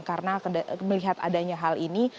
karena melihat adanya hal ini